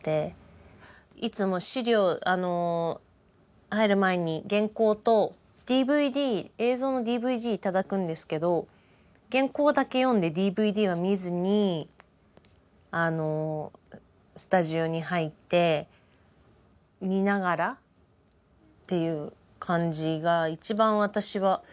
いつも資料入る前に原稿とＤＶＤ映像のＤＶＤ頂くんですけど原稿だけ読んでＤＶＤは見ずにスタジオに入って見ながらっていう感じが一番私はしっくりくるというか。